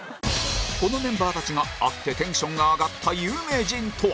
このメンバーたちが会ってテンションが上がった有名人とは？